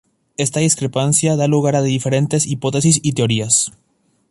Esta discrepancia da lugar a diferentes hipótesis y teorías.